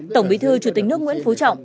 tổng bí thư chủ tịch nước nguyễn phú trọng